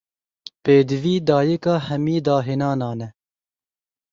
Pêdivî, dayîka hemî dahênanan e.